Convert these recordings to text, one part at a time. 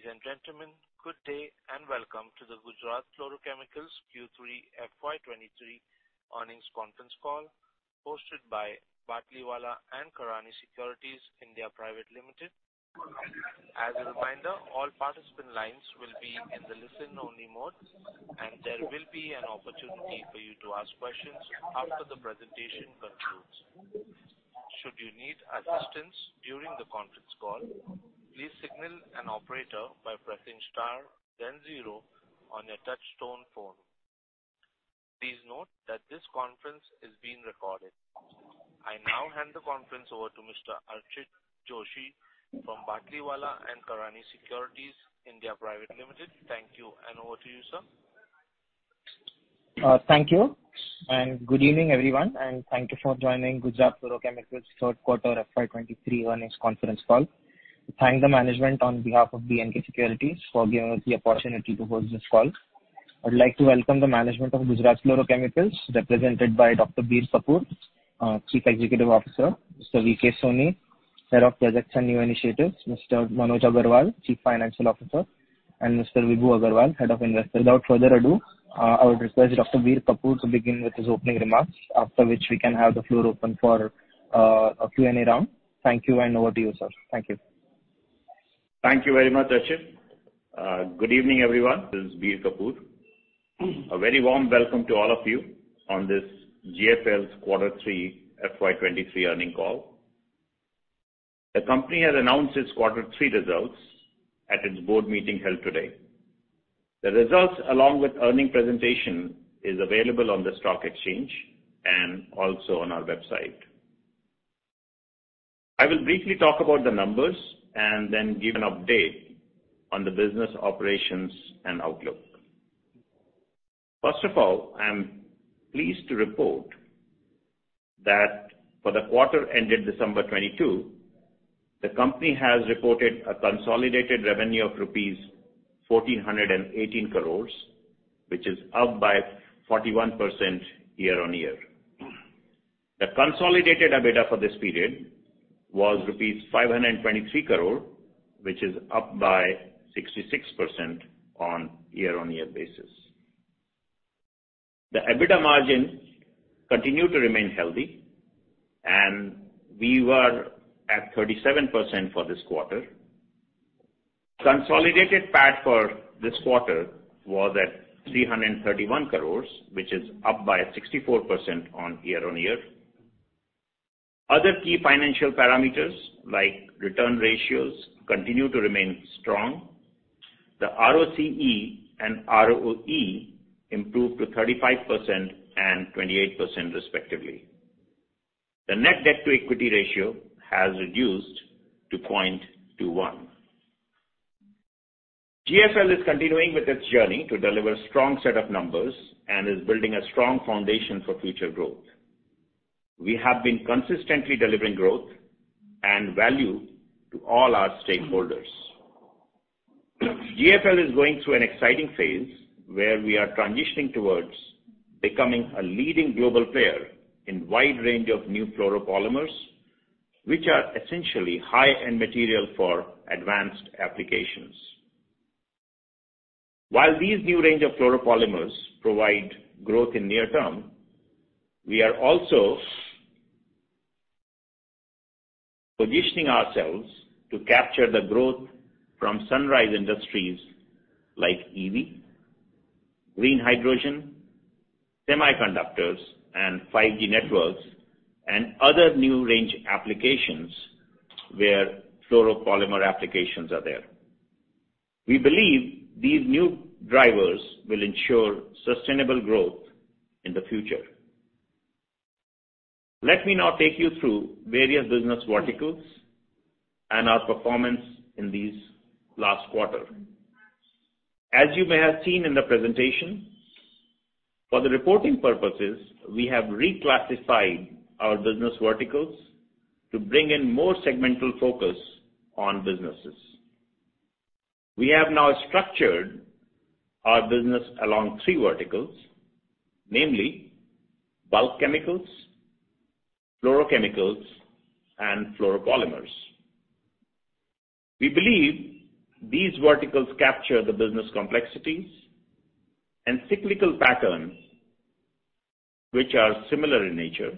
Ladies and gentlemen, good day and welcome to the Gujarat Fluorochemicals Q3 FY23 earnings conference call hosted by Batliwala & Karani Securities India Private Limited. As a reminder, all participant lines will be in the listen-only mode, and there will be an opportunity for you to ask questions after the presentation concludes. Should you need assistance during the conference call, please signal an operator by pressing star then zero on your touch tone phone. Please note that this conference is being recorded. I now hand the conference over to Mr. Archit Joshi from Batliwala & Karani Securities India Private Limited. Thank you, and over to you, sir. Thank you, and good evening, everyone, and thank you for joining Gujarat Fluorochemicals third quarter FY23 earnings conference call. Thank the management on behalf of B&K Securities for giving us the opportunity to host this call. I'd like to welcome the management of Gujarat Fluorochemicals, represented by Dr. Bir Kapoor, Chief Executive Officer, Mr. B.K. Soni, Head of Projects and New Initiatives, Mr. Manoj Agrawal, Chief Financial Officer, and Mr. Vibhu Agarwal, Head of Investor. Without further ado, I would request Dr. Bir Kapoor to begin with his opening remarks, after which we can have the floor open for a Q&A round. Thank you, over to you, sir. Thank you. Thank you very much, Archit. Good evening, everyone. This is Bir Kapoor. A very warm welcome to all of you on this GFL's quarter three FY23 earning call. The company has announced its quarter three results at its board meeting held today. The results along with earning presentation is available on the stock exchange and also on our website. I will briefly talk about the numbers and then give an update on the business operations and outlook. First of all, I am pleased to report that for the quarter ended December 2022, the company has reported a consolidated revenue of rupees 1,418 crores, which is up by 41% year-on-year. The consolidated EBITDA for this period was rupees 523 crore, which is up by 66% on year-on-year basis. The EBITDA margin continued to remain healthy, and we were at 37% for this quarter. Consolidated PAT for this quarter was at 331 crores, which is up by 64% on year-on-year. Other key financial parameters like return ratios continue to remain strong. The ROCE and ROE improved to 35% and 28% respectively. The net debt-to-equity ratio has reduced to 0.21. GFL is continuing with its journey to deliver strong set of numbers and is building a strong foundation for future growth. We have been consistently delivering growth and value to all our stakeholders. GFL is going through an exciting phase where we are transitioning towards becoming a leading global player in wide range of new fluoropolymers, which are essentially high-end material for advanced applications. While these new range of fluoropolymers provide growth in near term, we are also positioning ourselves to capture the growth from sunrise industries like EV, green hydrogen, semiconductors and 5G networks and other new range applications where fluoropolymer applications are there. We believe these new drivers will ensure sustainable growth in the future. Let me now take you through various business verticals and our performance in these last quarter. As you may have seen in the presentation, for the reporting purposes, we have reclassified our business verticals to bring in more segmental focus on businesses. We have now structured our business along three verticals, namely bulk chemicals, fluorochemicals, and fluoropolymers. We believe these verticals capture the business complexities and cyclical patterns which are similar in nature.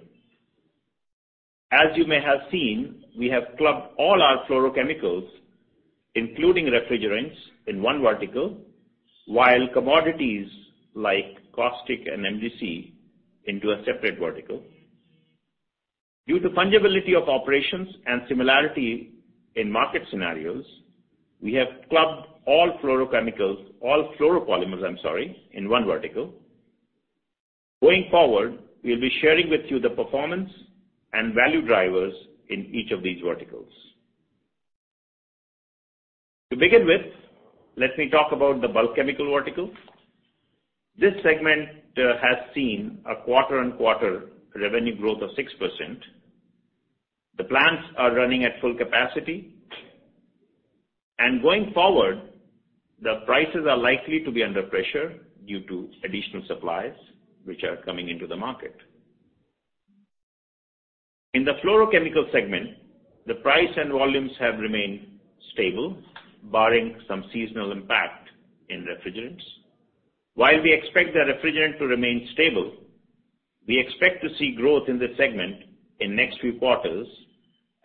As you may have seen, we have clubbed all our fluorochemicals, including refrigerants, in one vertical, while commodities like caustic and MDC into a separate vertical. Due to fungibility of operations and similarity in market scenarios, we have clubbed all fluorochemicals, all fluoropolymers, I'm sorry, in one vertical. Going forward, we'll be sharing with you the performance and value drivers in each of these verticals. To begin with, let me talk about the bulk chemical vertical. This segment has seen a quarter-on-quarter revenue growth of 6%. The plants are running at full capacity. Going forward, the prices are likely to be under pressure due to additional supplies which are coming into the market. In the fluorochemical segment, the price and volumes have remained stable, barring some seasonal impact in refrigerants. While we expect the refrigerant to remain stable, we expect to see growth in this segment in next few quarters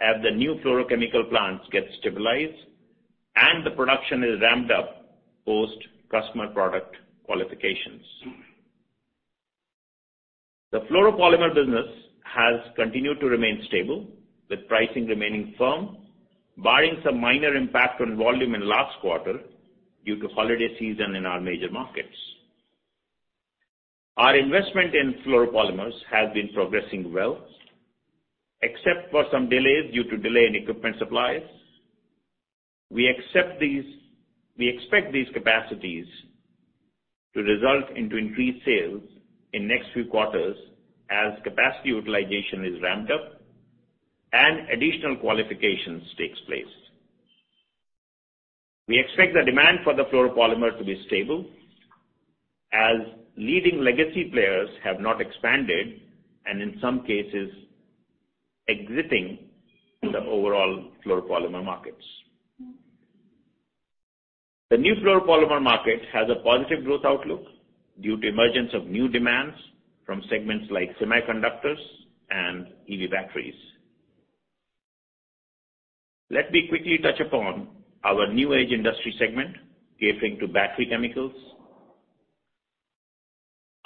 as the new fluorochemical plants get stabilized and the production is ramped up post customer product qualifications. The fluoropolymer business has continued to remain stable, with pricing remaining firm, barring some minor impact on volume in last quarter due to holiday season in our major markets. Our investment in fluoropolymers has been progressing well, except for some delays due to delay in equipment supplies. We expect these capacities to result into increased sales in next few quarters as capacity utilization is ramped up and additional qualifications takes place. We expect the demand for the fluoropolymer to be stable as leading legacy players have not expanded and in some cases exiting the overall fluoropolymer markets. The new fluoropolymer market has a positive growth outlook due to emergence of new demands from segments like semiconductors and EV batteries. Let me quickly touch upon our new age industry segment catering to battery chemicals.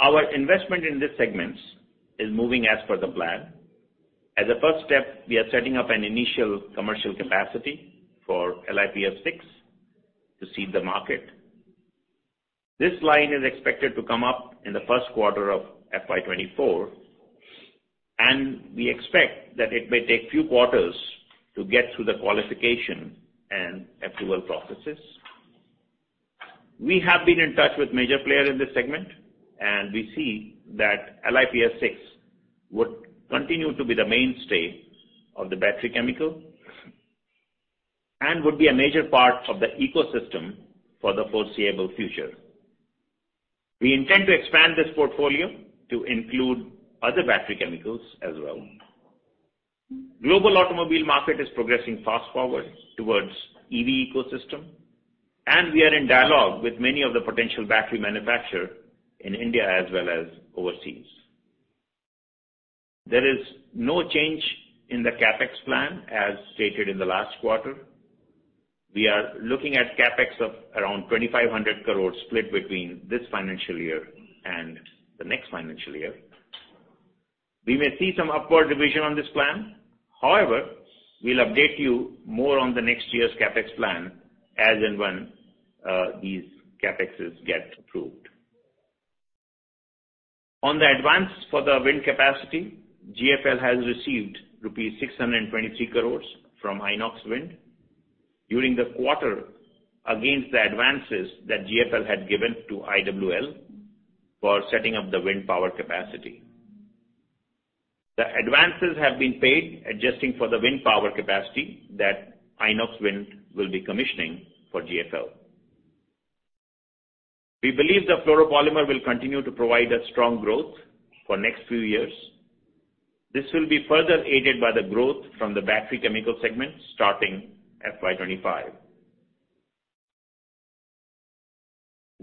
Our investment in these segments is moving as per the plan. As a first step, we are setting up an initial commercial capacity for LiPF6 to seed the market. This line is expected to come up in the first quarter of FY24, and we expect that it may take few quarters to get through the qualification and approval processes. We have been in touch with major player in this segment, and we see that LiPF6 would continue to be the mainstay of the battery chemical and would be a major part of the ecosystem for the foreseeable future. We intend to expand this portfolio to include other battery chemicals as well. Global automobile market is progressing fast forward towards EV ecosystem, and we are in dialogue with many of the potential battery manufacturer in India as well as overseas. There is no change in the CapEx plan as stated in the last quarter. We are looking at CapEx of around 2,500 crores split between this financial year and the next financial year. We may see some upward revision on this plan. However, we'll update you more on the next year's CapEx plan as and when these CapExes get approved. On the advance for the wind capacity, GFL has received rupees 623 crores from Inox Wind during the quarter against the advances that GFL had given to IWL for setting up the wind power capacity. The advances have been paid adjusting for the wind power capacity that Inox Wind will be commissioning for GFL. We believe the fluoropolymer will continue to provide a strong growth for next few years. This will be further aided by the growth from the battery chemical segment starting FY25.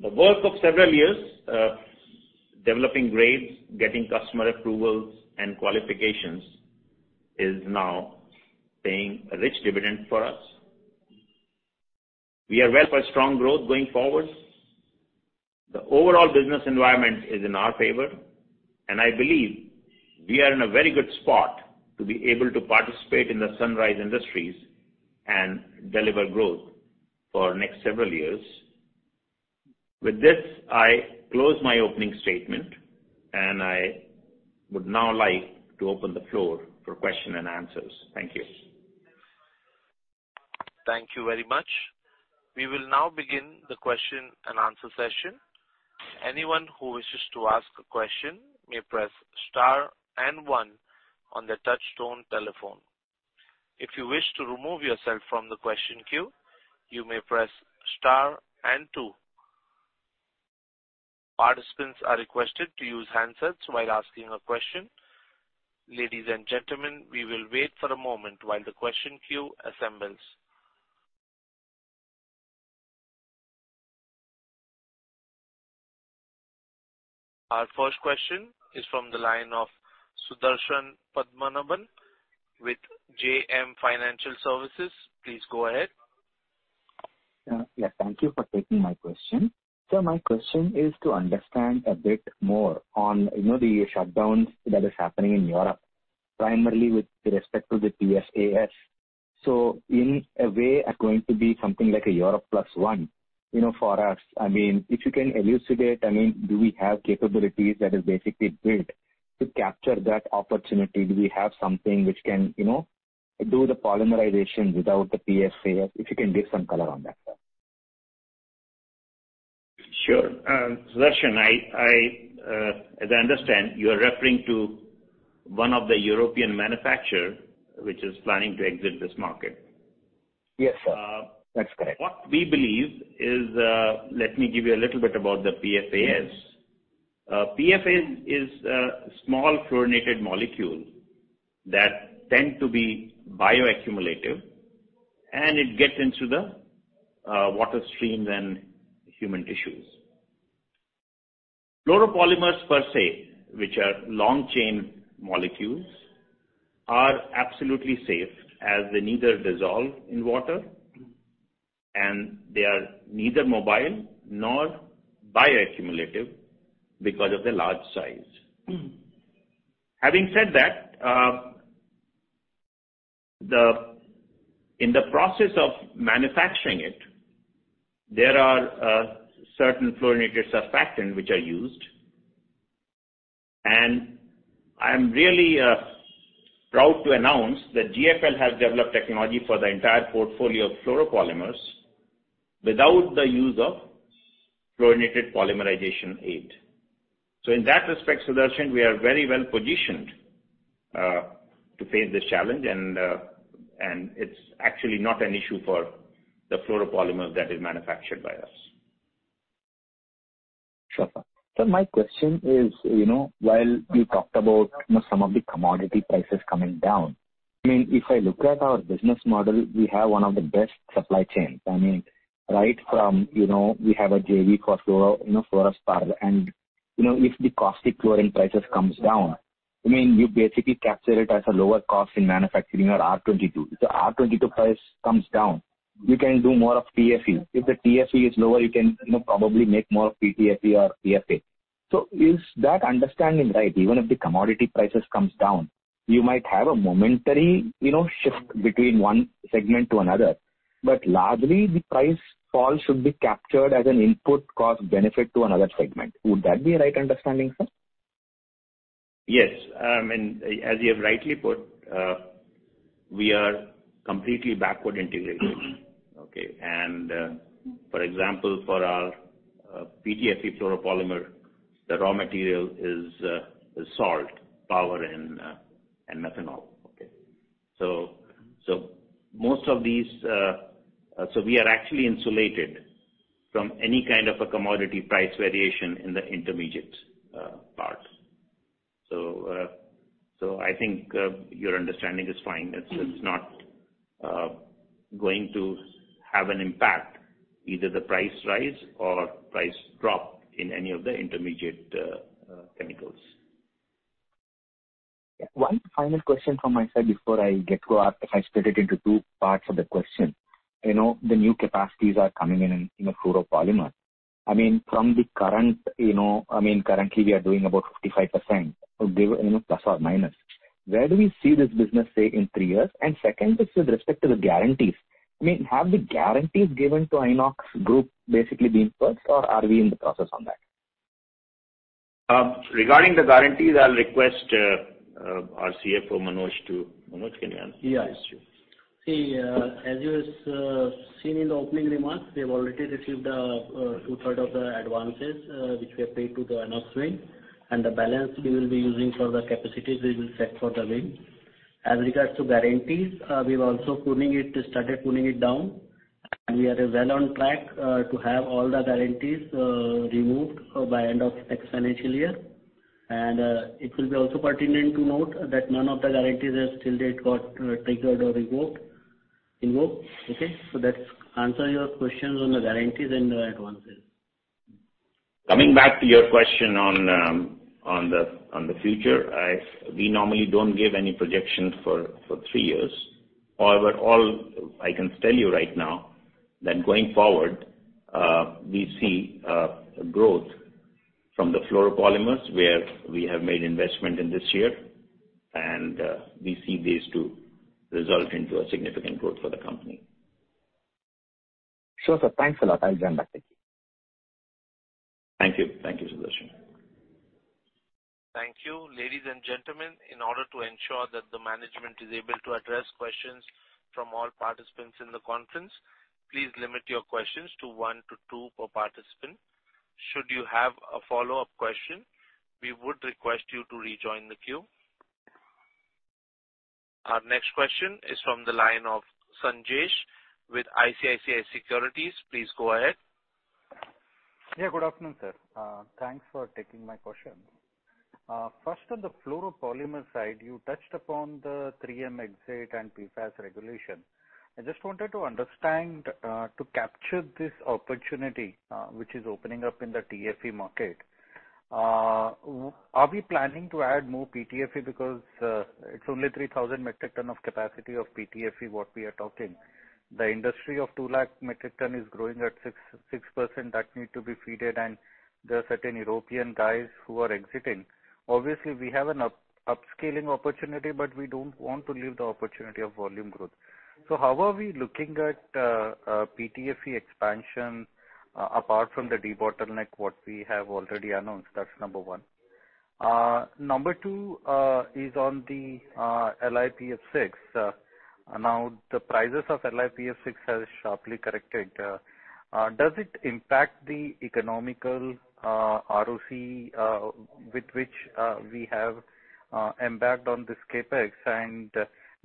The work of several years, developing grades, getting customer approvals and qualifications is now paying a rich dividend for us. We are well for strong growth going forward. The overall business environment is in our favor, and I believe we are in a very good spot to be able to participate in the sunrise industries and deliver growth for next several years. With this, I close my opening statement, and I would now like to open the floor for question and answers. Thank you. Thank you very much. We will now begin the question and answer session. Anyone who wishes to ask a question may press star and 1 on their touchtone telephone. If you wish to remove yourself from the question queue, you may press star and two. Participants are requested to use handsets while asking a question. Ladies and gentlemen, we will wait for a moment while the question queue assembles. Our first question is from the line of Sudarshan Padmanabhan with JM Financial Services. Please go ahead. Yeah, thank you for taking my question. My question is to understand a bit more on, you know, the shutdowns that is happening in Europe, primarily with respect to the PFAS. In a way are going to be something like a Europe plus one, you know, for us. I mean, if you can elucidate, I mean, do we have capabilities that is basically built to capture that opportunity? Do we have something which can, you know, do the polymerization without the PFAS? If you can give some color on that, sir. Sure. Sudarshan, I, as I understand, you are referring to one of the European manufacturer which is planning to exit this market. Yes, sir. That's correct. What we believe is, let me give you a little bit about the PFAS. PFAS is a small fluorinated molecule that tend to be bioaccumulative, and it gets into the water streams and human tissues. Fluoropolymers per se, which are long chain molecules, are absolutely safe as they neither dissolve in water, and they are neither mobile nor bioaccumulative because of the large size. Having said that, in the process of manufacturing it, there are certain fluorinated surfactant which are used. I am really proud to announce that GFL has developed technology for the entire portfolio of fluoropolymers without the use of fluorinated polymerization aid. In that respect, Sudarshan, we are very well positioned to face this challenge and it's actually not an issue for the fluoropolymer that is manufactured by us. Sure, sir. My question is, you know, while you talked about, you know, some of the commodity prices coming down, I mean, if I look at our business model, we have one of the best supply chains. I mean, right from, you know, we have a JV for fluoro, you know, fluorspar. You know, if the caustic fluorine prices comes down, I mean, you basically capture it as a lower cost in manufacturing your R-22. If the R-22 price comes down, you can do more of PTFE. If the PTFE is lower, you can, you know, probably make more of PTFE or PFA. Is that understanding right? Even if the commodity prices comes down, you might have a momentary, you know, shift between one segment to another, but largely the price fall should be captured as an input cost benefit to another segment. Would that be a right understanding, sir? Yes. I mean, as you have rightly put, we are completely backward integrated. Okay. For example, for our PTFE fluoropolymer, the raw material is salt, power and methanol. Okay. Most of these, so we are actually insulated from any kind of a commodity price variation in the intermediate parts. I think, your understanding is fine. It's not going to have an impact, either the price rise or price drop in any of the intermediate chemicals. One final question from my side before I get to ask. I split it into two parts of the question. You know, the new capacities are coming in, in the fluoropolymer. I mean, from the current, you know, I mean, currently we are doing about 55% or give, you know, plus or minus. Where do we see this business, say, in three years? Second is with respect to the guarantees. I mean, have the guarantees given to Inox Group basically been purged, or are we in the process on that? Regarding the guarantees, I'll request our CFO, Manoj, can you answer this question? Yeah, sure. See, as you have seen in the opening remarks, we have already received, two-third of the advances, which were paid to the Inox Wind. The balance we will be using for the capacities we will set for the wing. As regards to guarantees, we're also pruning it, started pruning it down. We are well on track to have all the guarantees removed by end of next financial year. It will be also pertinent to note that none of the guarantees has till date got triggered or revoked, invoked. Okay? That answers your questions on the guarantees and the advances. Coming back to your question on the, on the future. We normally don't give any projections for three years. However, all I can tell you right now that going forward, we see, growth from the fluoropolymers where we have made investment in this year, and, we see this to result into a significant growth for the company. Sure, sir. Thanks a lot. I'll join back with you. Thank you. Thank you, Sudarshan. Thank you. Ladies and gentlemen, in order to ensure that the management is able to address questions from all participants in the conference, please limit your questions to one to two per participant. Should you have a follow-up question, we would request you to rejoin the queue. Our next question is from the line of Sanjesh Jain with ICICI Securities. Please go ahead. Good afternoon, sir. Thanks for taking my question. First on the fluoropolymer side, you touched upon the 3M exit and PFAS regulation. I just wanted to understand, to capture this opportunity, which is opening up in the TFE market, are we planning to add more PTFE? Because, it's only 3,000 metric ton of capacity of PTFE what we are talking. The industry of two lakh metric ton is growing at 6% that need to be fed, and there are certain European guys who are exiting. Obviously, we have an upscaling opportunity, but we don't want to leave the opportunity of volume growth. How are we looking at a PTFE expansion apart from the debottleneck what we have already announced? That's number one. Number two is on the LiPF6. Uh, now the prices of LIPF6 has sharply corrected. Uh, uh, does it impact the economical, uh, ROC, uh, with which, uh, we have, uh, embarked on this CapEx? And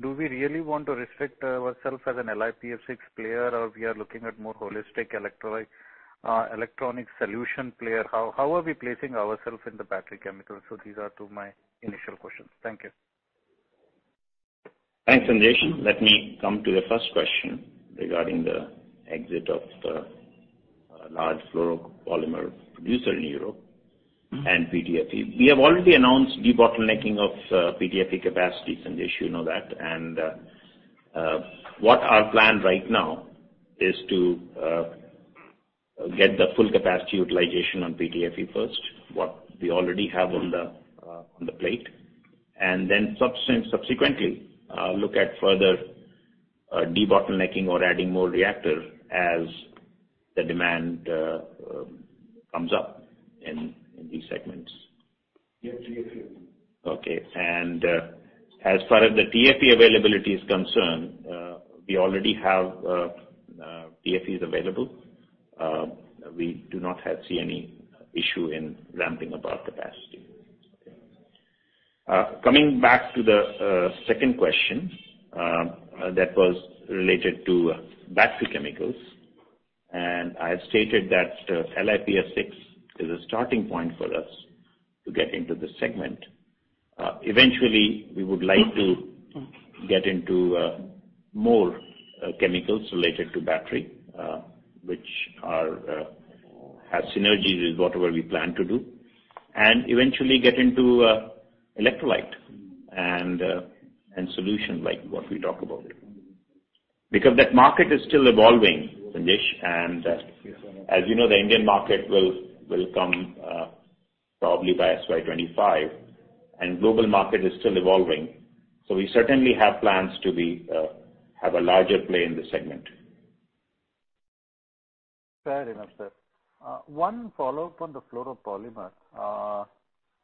do we really want to restrict ourself as an LIPF6 player or we are looking at more holistic electrolyte-- uh, electronic solution player? How, how are we placing ourself in the battery chemicals? So these are two of my initial questions. Thank you. Thanks, Sanjesh Jain. Let me come to your first question regarding the exit of the large fluoropolymer producer in Europe. Mm-hmm. PTFE. We have already announced debottlenecking of PTFE capacity, Sanjesh Jain, you know that. What our plan right now is to get the full capacity utilization on PTFE first, what we already have on the plate. Then subsequently look at further debottlenecking or adding more reactor as the demand comes up in these segments. Yeah. PTFE. Okay. As far as the PFE availability is concerned, we already have PFEs available. We do not see any issue in ramping up our capacity. Coming back to the second question, that was related to battery chemicals. I have stated that LiPF6 is a starting point for us to get into this segment. Eventually we would like to get into more chemicals related to battery, which are have synergies with whatever we plan to do. Eventually get into electrolyte and solution like what we talk about. Because that market is still evolving, Sanjesh. As you know, the Indian market will come probably by FY25, and global market is still evolving. We certainly have plans to be have a larger play in this segment. Fair enough, sir. One follow-up on the fluoropolymer.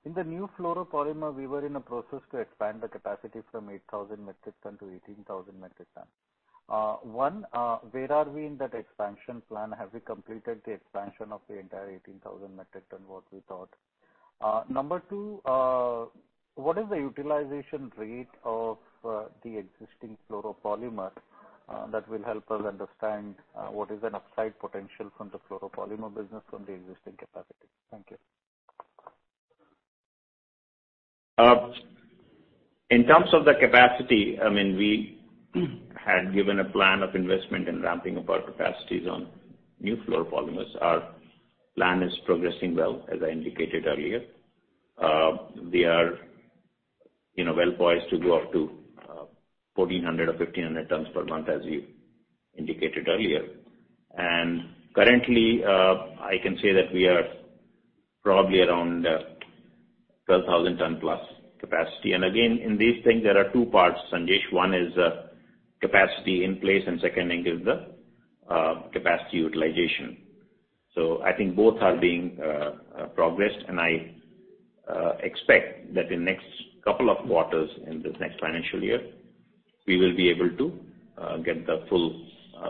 In the new fluoropolymer, we were in a process to expand the capacity from 8,000 metric tons to 18,000 metric tons. One, where are we in that expansion plan? Have we completed the expansion of the entire 18,000 metric tons, what we thought? Number two, what is the utilization rate of the existing fluoropolymer? That will help us understand what is an upside potential from the fluoropolymer business from the existing capacity. Thank you. In terms of the capacity, I mean, we had given a plan of investment in ramping up our capacities on new fluoropolymers. Our plan is progressing well, as I indicated earlier. We are, you know, well poised to go up to 1,400 or 1,500 tons per month, as we indicated earlier. Currently, I can say that we are probably around 12,000 ton plus capacity. Again, in these things, there are two parts, Sanjesh. One is, capacity in place, and second thing is the capacity utilization. I think both are being progressed. I expect that in next couple of quarters in this next financial year, we will be able to get the full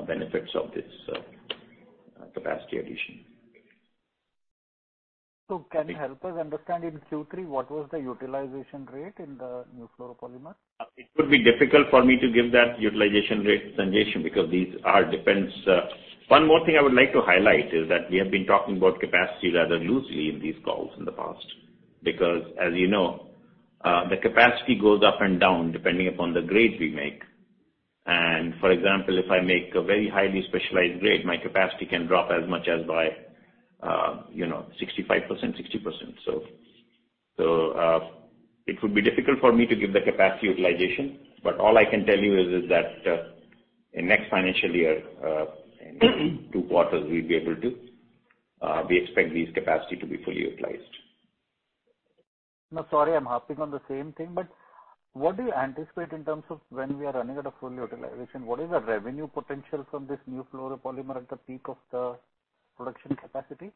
benefits of this capacity addition. Can you help us understand in Q3, what was the utilization rate in the new fluoropolymer? It would be difficult for me to give that utilization rate, Sanjesh, because these are depends. One more thing I would like to highlight is that we have been talking about capacity rather loosely in these calls in the past. As you know, the capacity goes up and down depending upon the grade we make. For example, if I make a very highly specialized grade, my capacity can drop as much as by, you know, 65%, 60%. It would be difficult for me to give the capacity utilization. All I can tell you is that, in next financial year, in two quarters we'll be able to, we expect these capacity to be fully utilized. No, sorry, I'm harping on the same thing, but what do you anticipate in terms of when we are running at a full utilization? What is the revenue potential from this new fluoropolymer at the peak of the production capacity?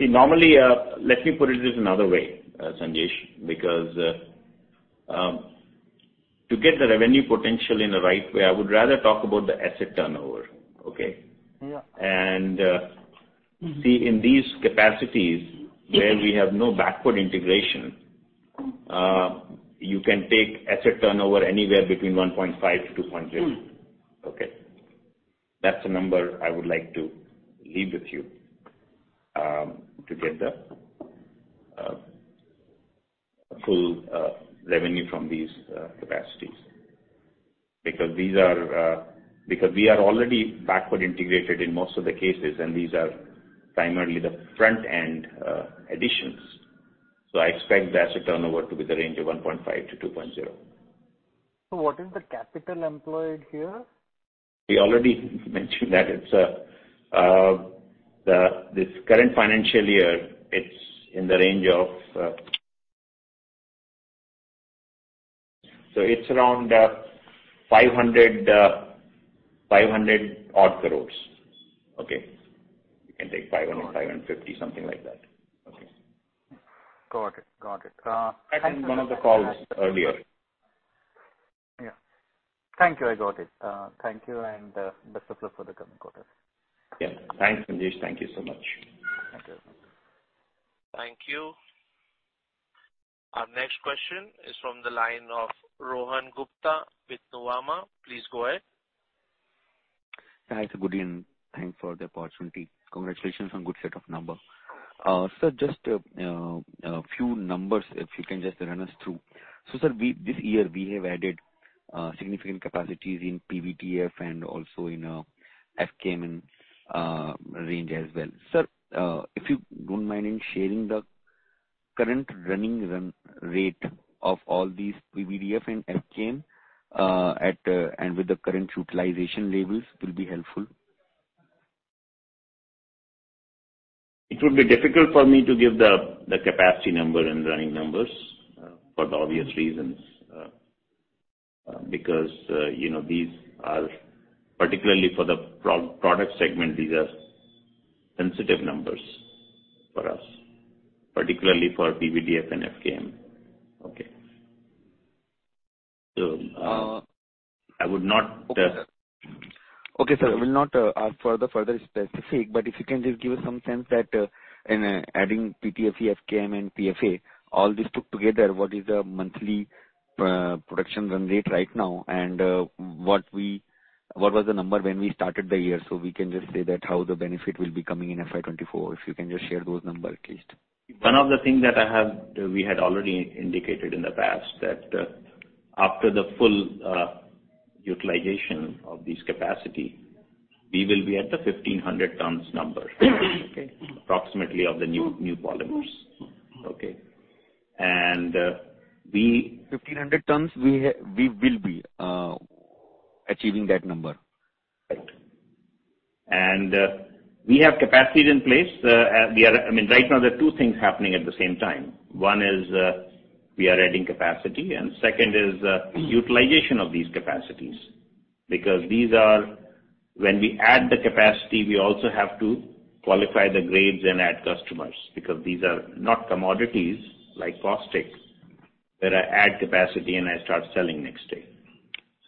See, normally, let me put it this another way, Sanjesh, because, to get the revenue potential in the right way, I would rather talk about the asset turnover. Okay? Yeah. See, in these capacities where we have no backward integration, you can take asset turnover anywhere between 1.5 to 2.0. Mm. Okay. That's the number I would like to leave with you, to get the full revenue from these capacities. Because these are, because we are already backward integrated in most of the cases, and these are primarily the front-end additions. I expect the asset turnover to be the range of 1.5 to 2.0. what is the capital employed here? We already mentioned that it's this current financial year, it's in the range of… it's around 500 odd crores. Okay? You can take 500-550, something like that. Okay. Got it. Got it. I think one of the calls earlier. Yeah. Thank you, I got it. Thank you, and best of luck for the coming quarter. Yeah. Thanks, Sanjesh. Thank you so much. Thank you. Thank you. Our next question is from the line of Rohan Gupta with Nuvama. Please go ahead. Hi, good evening. Thanks for the opportunity. Congratulations on good set of number. Sir, just a few numbers, if you can just run us through. Sir, this year we have added significant capacities in PVDF and also in FKM range as well. Sir, if you don't mind in sharing the current running run rate of all these PVDF and FKM, at and with the current utilization levels will be helpful. It would be difficult for me to give the capacity number and running numbers for the obvious reasons. Because, you know, these are particularly for the product segment, these are sensitive numbers for us, particularly for PVDF and FKM. Okay. I would not. Okay, sir. I will not, ask for the further specific, but if you can just give us some sense that, in, adding PTFE, FKM and PFA, all this put together, what is the monthly, production run rate right now, and, what was the number when we started the year, so we can just say that how the benefit will be coming in FY24. If you can just share those number at least. One of the things that we had already indicated in the past that after the full utilization of this capacity, we will be at the 1,500 tons number. Okay. Approximately of the new polymers. Okay? 1,500 tons we will be achieving that number? Right. We have capacities in place. I mean, right now there are two things happening at the same time. One is, we are adding capacity, and second is, utilization of these capacities. When we add the capacity, we also have to qualify the grades and add customers, because these are not commodities like plastics, that I add capacity and I start selling next day.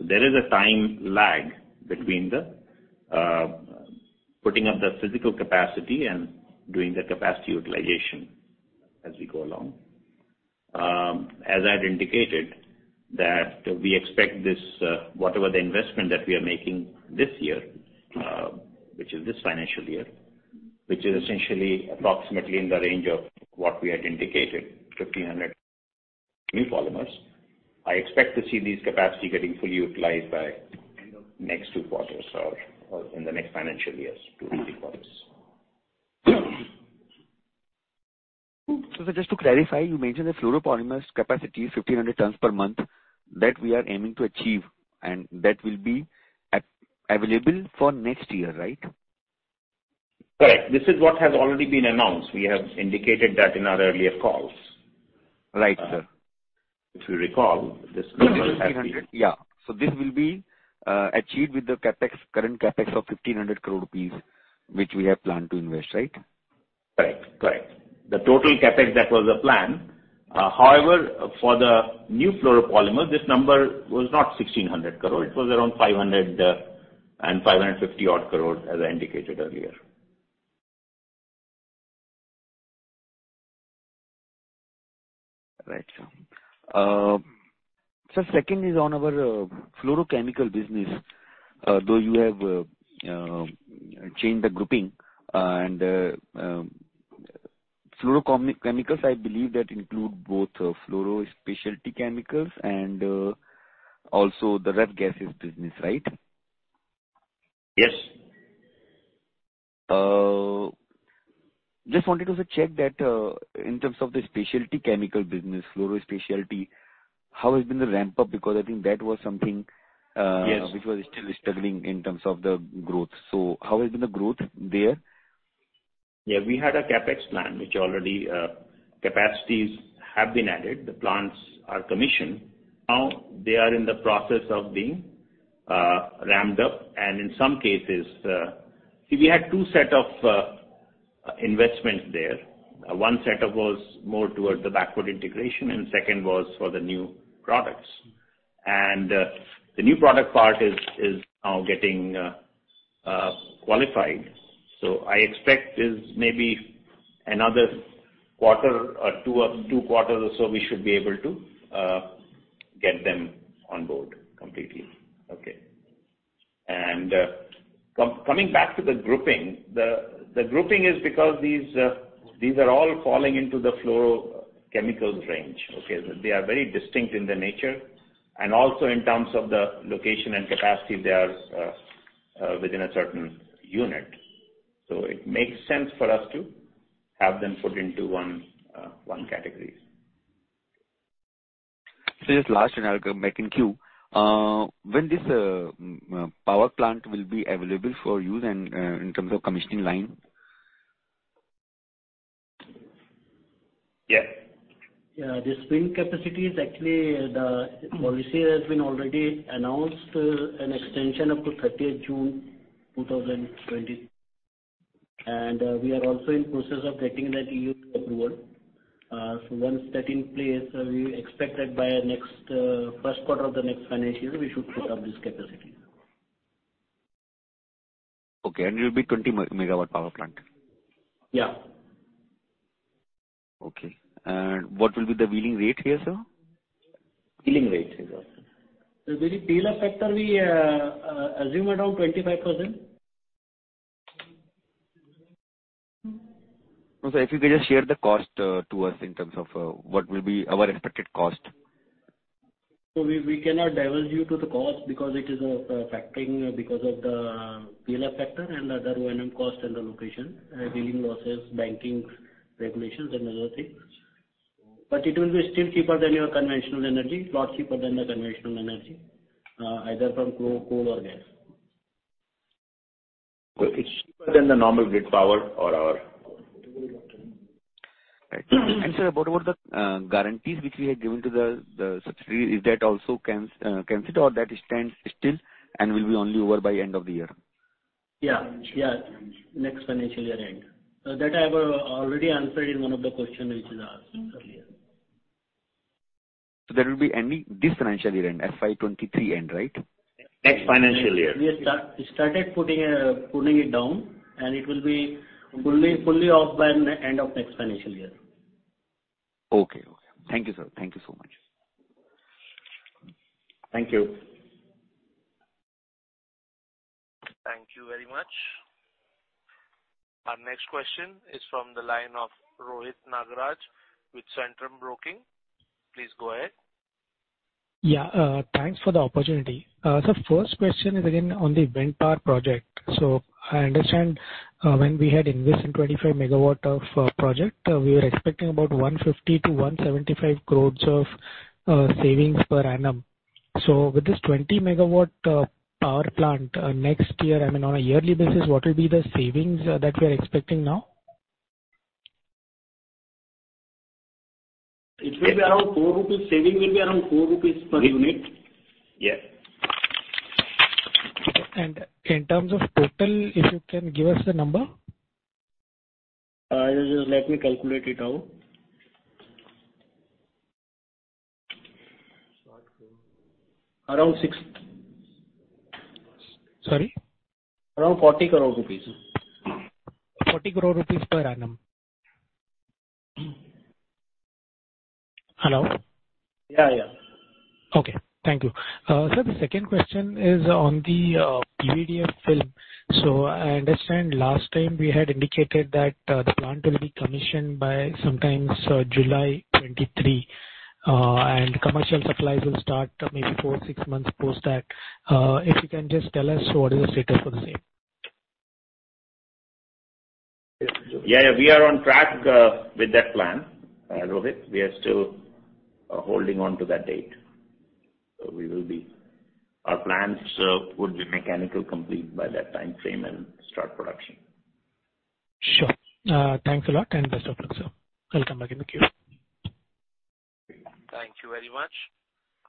There is a time lag between the putting up the physical capacity and doing the capacity utilization as we go along. As I had indicated that we expect this, whatever the investment that we are making this year, which is this financial year, which is essentially approximately in the range of what we had indicated, 1,500 new polymers. I expect to see these capacity getting fully utilized by next 2 quarters or in the next financial years, 2-3 quarters. Just to clarify, you mentioned the fluoropolymers capacity is 1,500 tons per month that we are aiming to achieve, and that will be available for next year, right? Correct. This is what has already been announced. We have indicated that in our earlier calls. Right, sir. If you recall, this number has been-. Yeah. this will be achieved with the CapEx, current CapEx of 1,500 crore rupees, which we have planned to invest, right? Correct. Correct. The total CapEx, that was the plan. However, for the new fluoropolymers, this number was not 1,600 crore. It was around 550 odd crore, as I indicated earlier. Right, sir. sir, second is on our fluorochemical business. though you have changed the grouping, and fluorochemicals, I believe that include both, fluoro specialty chemicals and also the rough gases business, right? Yes. Just wanted to check that, in terms of the specialty chemical business, fluoro specialty, how has been the ramp up? I think that was something. Yes. which was still struggling in terms of the growth. How has been the growth there? Yeah. We had a CapEx plan, which already capacities have been added. The plants are commissioned. Now they are in the process of being ramped up. In some cases, we had two set of investments there. One set of was more towards the backward integration, and second was for the new products. The new product part is now getting qualified. I expect is maybe another quarter or two quarters or so we should be able to get them on board completely. Okay. Coming back to the grouping, the grouping is because these are all falling into the fluorochemicals range. Okay. They are very distinct in their nature, and also in terms of the location and capacity, they are within a certain unit. It makes sense for us to have them put into one category. Just last and I'll come back in queue. When this power plant will be available for use and in terms of commissioning line. Yeah. Yeah. The swing capacity is actually the policy has been already announced, an extension up to 30 of June 2020. We are also in process of getting that EU approval. Once that in place, we expect that by next, first quarter of the next financial year, we should set up this capacity. Okay. It will be 20 megawatt power plant? Yeah. Okay. What will be the wheeling rate here, sir? Wheeling rate. The wheeling factor we assume around 25,000. If you could just share the cost, to us in terms of, what will be our expected cost. We cannot divulge you to the cost because it is factoring because of the PLF factor and the other O&M cost and the location, dealing losses, banking regulations and other things. It will be still cheaper than your conventional energy, lot cheaper than the conventional energy, either from coal or gas. It's cheaper than the normal grid power or our... Right. Sir, what about the guarantees which we had given to the subsidiary, is that also canceled or that stands still and will be only over by end of the year? Yeah. Yeah. Next financial year end. That I have already answered in one of the question which is asked earlier. There will be ending this financial year end, FY23 end, right? Next financial year. We have started putting it down, and it will be fully off by end of next financial year. Okay. Okay. Thank you, sir. Thank you so much. Thank you. Thank you very much. Our next question is from the line of Rohit Nagraj with Centrum Broking. Please go ahead. Yeah. Thanks for the opportunity. first question is again on the wind power project. I understand, when we had invested in 25 megawatt of project, we were expecting about 150-175 crores of savings per annum. With this 20 megawatt power plant, next year, I mean, on a yearly basis, what will be the savings that we are expecting now? It will be around 4 rupees. Saving will be around 4 rupees per unit. Yes. In terms of total, if you can give us a number. Just let me calculate it out. Around 6. Sorry. Around INR 40 crore. INR 40 crore per annum. Hello? Yeah, yeah. Okay. Thank you. sir, the second question is on the PVDF film. I understand last time we had indicated that the plant will be commissioned by sometimes July 2023. commercial supplies will start maybe 4-6 months post that. if you can just tell us what is the status for the same. We are on track with that plan, Rohit. We are still holding on to that date. We will be. Our plans would be mechanical complete by that time frame and start production. Sure. Thanks a lot and best of luck, sir. I'll come back in the queue. Thank you very much.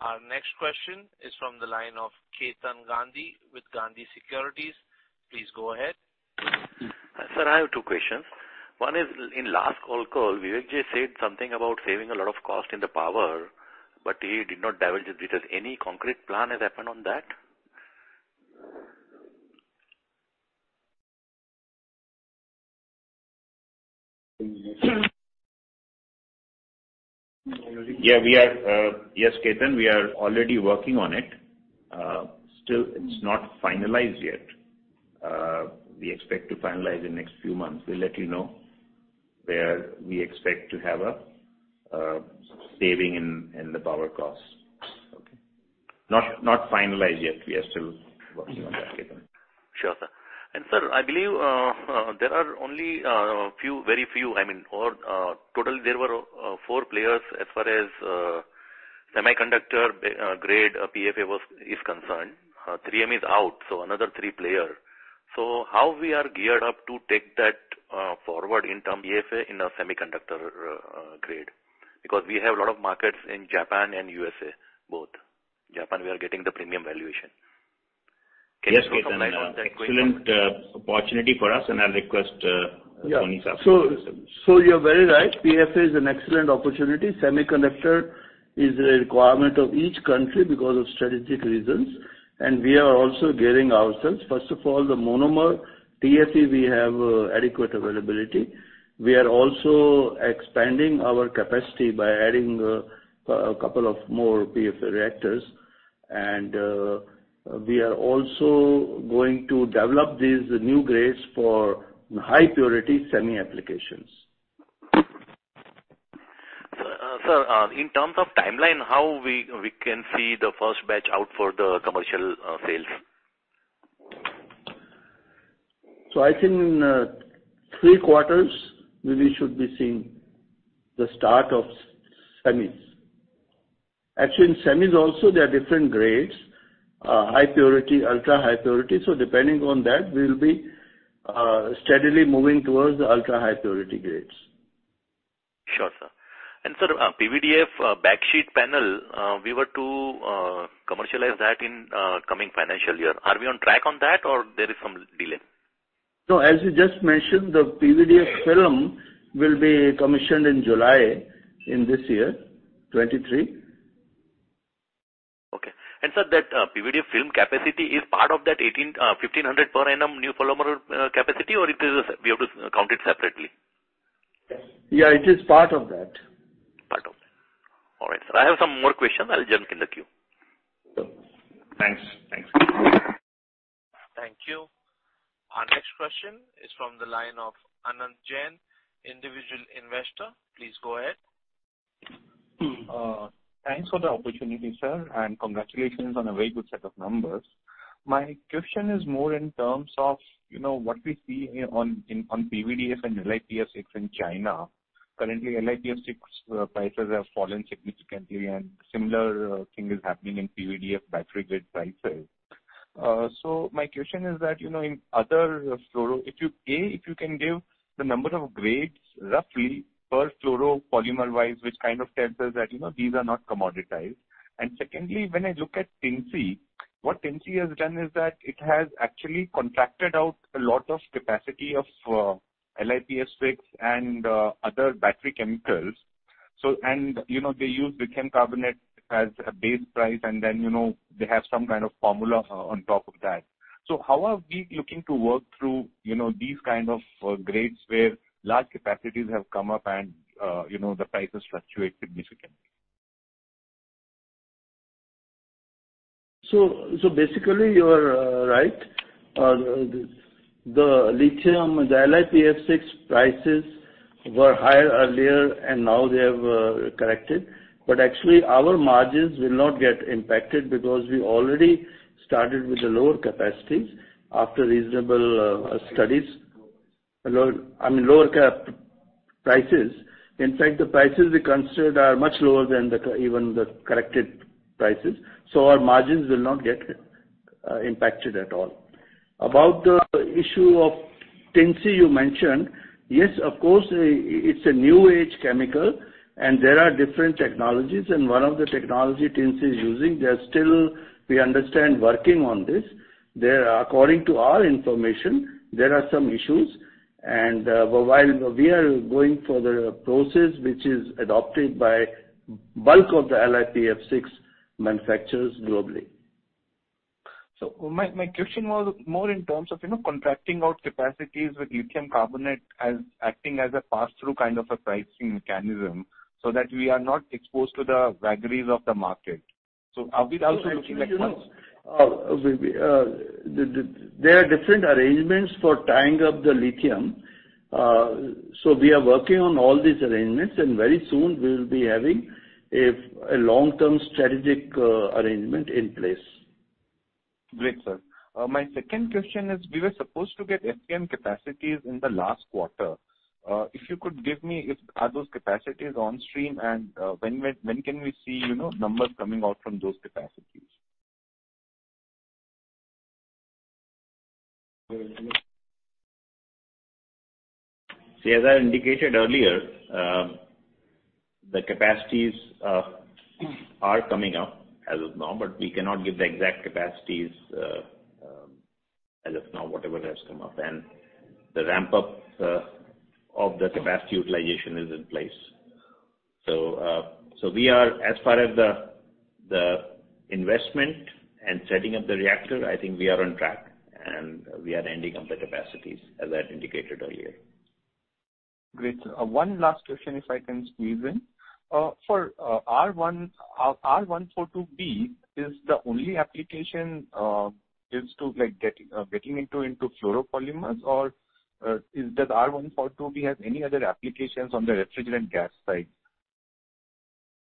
Our next question is from the line of Chetan Gandhi with Gandhi Securities. Please go ahead. Sir, I have two questions. One is in last call, Vivek Ji said something about saving a lot of cost in the power, but he did not divulge it. Any concrete plan has happened on that? Yeah, we are, yes, Chetan, we are already working on it. Still it's not finalized yet. We expect to finalize in next few months. We'll let you know where we expect to have a saving in the power costs. Okay. Not finalized yet. We are still working on that, Chetan. Sure, sir. Sir, I believe, there are only, few, very few, I mean, or, total there were, four players as far as, semiconductor-grade PFA is concerned. three of them is out, so another three player. How we are geared up to take that, forward in term PFA in a semiconductor, grade? Because we have a lot of markets in Japan and USA both. Japan, we are getting the premium valuation. Yes, Chetan. Excellent opportunity for us, and I'll request Tony sir. You're very right. PFA is an excellent opportunity. Semiconductor is a requirement of each country because of strategic reasons. We are also gearing ourselves. First of all, the monomer, TFE, we have adequate availability. We are also expanding our capacity by adding a couple of more PFA reactors. We are also going to develop these new grades for high purity semi applications. Sir, in terms of timeline, how we can see the first batch out for the commercial sales? I can, 3 quarters, we should be seeing the start of semis. Actually, in semis also there are different grades, high purity, ultra-high purity. Depending on that, we will be steadily moving towards the ultra-high purity grades. Sure, sir. Sir, PVDF backsheet panel, we were to commercialize that in coming financial year. Are we on track on that or there is some delay? No. As you just mentioned, the PVDF film will be commissioned in July in this year, 2023. Okay. Sir, that PVDF film capacity is part of that 1,500 per annum new polymer capacity or it is we have to count it separately? Yeah, it is part of that. Part of that. All right, sir. I have some more questions. I'll jump in the queue. Sure. Thanks. Thanks. Thank you. Our next question is from the line of Anand Jain, individual investor. Please go ahead. Thanks for the opportunity, sir, and congratulations on a very good set of numbers. My question is more in terms of, you know, what we see here on, in, on PVDFs and LiPF6 in China. Currently, LiPF6 prices have fallen significantly and similar thing is happening in PVDF battery grade prices. My question is that, you know, in other fluoro, if you, A, if you can give the number of grades roughly per fluoropolymer wise, which kind of tells us that, you know, these are not commoditized. Secondly, when I look at Tinci, what Tinci has done is that it has actually contracted out a lot of capacity of LiPF6 and other battery chemicals. You know, they use lithium carbonate as a base price and then, you know, they have some kind of formula on top of that. How are we looking to work through, you know, these kind of grades where large capacities have come up and, you know, the prices fluctuate significantly? Basically you are right. The lithium, the LiPF6 prices were higher earlier and now they have corrected. Actually, our margins will not get impacted because we already started with the lower capacities after reasonable studies. Lower, I mean, lower cap prices. In fact, the prices we considered are much lower than even the corrected prices, our margins will not get impacted at all. About the issue of Tinci Materials you mentioned, yes, of course, it's a new age chemical, and there are different technologies, and one of the technology Tinci Materials is using, they are still, we understand, working on this. There are, according to our information, there are some issues and, while we are going for the process which is adopted by bulk of the LiPF6 manufacturers globally. My question was more in terms of, you know, contracting out capacities with lithium carbonate as acting as a pass-through kind of a pricing mechanism so that we are not exposed to the vagaries of the market. Are we also looking at that? There are different arrangements for tying up the lithium. We are working on all these arrangements, and very soon we'll be having a long-term strategic arrangement in place. Great, sir. My second question is we were supposed to get SPM capacities in the last quarter. If you could give me if are those capacities on stream and, when can we see, you know, numbers coming out from those capacities? See, as I indicated earlier, the capacities are coming up as of now, but we cannot give the exact capacities as of now, whatever has come up. The ramp up of the capacity utilization is in place. We are as far as the investment and setting up the reactor, I think we are on track and we are ending up the capacities, as I indicated earlier. Great. one last question, if I can squeeze in. for R-142b, is the only application, is to like getting into fluoropolymers or is the R-142b has any other applications on the refrigerant gas side?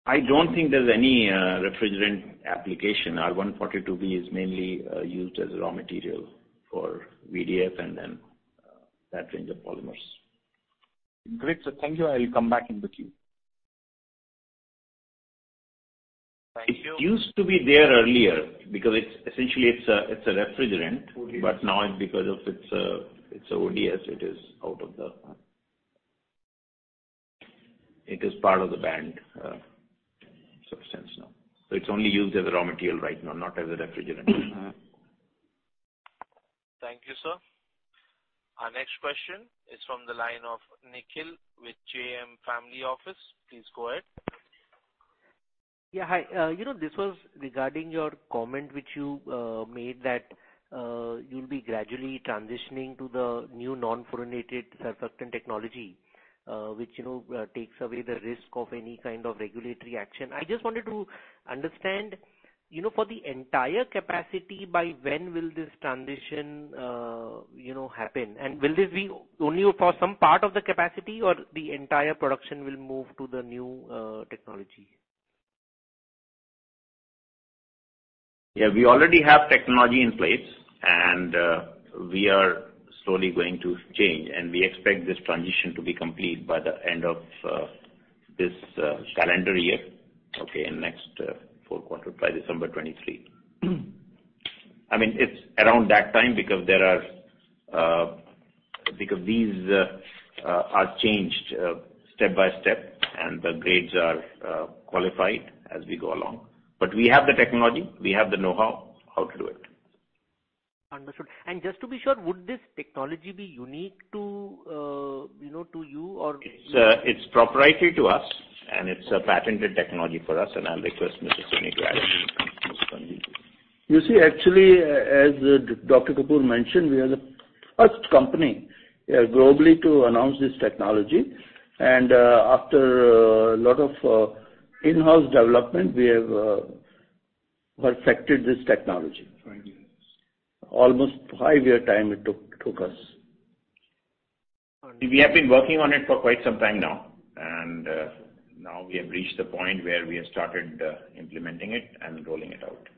I don't think there's any refrigerant application. R-142b is mainly used as raw material for VDF and then that range of polymers. Great. Thank you. I will come back in the queue. It used to be there earlier because it's essentially it's a refrigerant. ODS. Now because of its ODS, it is part of the banned substance now. It's only used as a raw material right now, not as a refrigerant. Thank you, sir. Our next question is from the line of Nikhil with JM Family Office. Please go ahead. Yeah. Hi. You know, this was regarding your comment which you made that you'll be gradually transitioning to the new non-fluorinated surfactant technology, which, you know, takes away the risk of any kind of regulatory action. I just wanted to understand, you know, for the entire capacity, by when will this transition, you know, happen? Will this be only for some part of the capacity or the entire production will move to the new technology? Yeah, we already have technology in place, and we are slowly going to change, and we expect this transition to be complete by the end of this calendar year. Okay, next, fourth quarter, by December 23. I mean, it's around that time because there are, because these are changed, step by step, and the grades are qualified as we go along. We have the technology. We have the know-how, how to do it. Understood. Just to be sure, would this technology be unique to, you know, to you or? It's proprietary to us. It's a patented technology for us. I'll request Mr. Soni to add on to this one. You see, actually, as Dr. Kapoor mentioned, we are the first company, globally to announce this technology. After a lot of in-house development, we have perfected this technology. Five years. Almost five year time it took us. We have been working on it for quite some time now. Now we have reached the point where we have started, implementing it and rolling it out.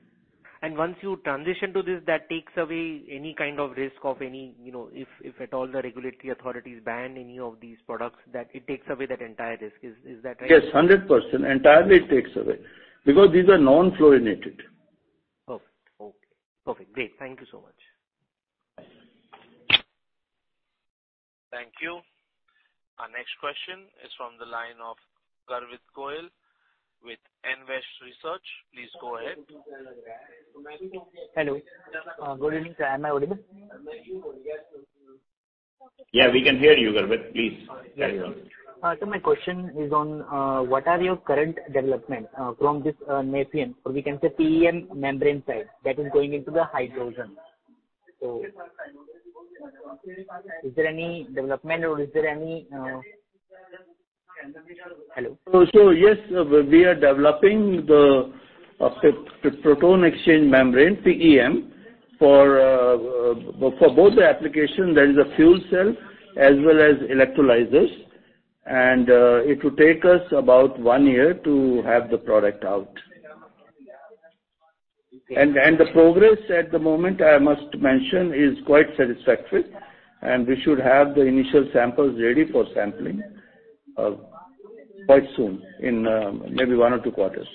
Once you transition to this, that takes away any kind of risk of any, you know, if at all the regulatory authorities ban any of these products, that it takes away that entire risk. Is that right? Yes, 100%. Entirely it takes away because these are non-fluorinated. Perfect. Okay. Perfect. Great. Thank you so much. Thank you. Our next question is from the line of Garvit Goyal with Nuvama Research. Please go ahead. Hello. good evening. Am I audible? Yeah, we can hear you, Garvit. Please carry on. My question is on what are your current development from this Nafion, or we can say PEM membrane side that is going into the hydrogen? Is there any development or is there any? Hello? Yes, we are developing the proton exchange membrane, PEM, for both the application. There is a fuel cell as well as electrolyzers. It will take us about one year to have the product out. The progress at the moment, I must mention, is quite satisfactory, and we should have the initial samples ready for sampling quite soon in maybe one or two quarters.